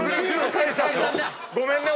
ごめんね。